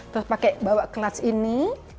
terus pakai bawa kelas ini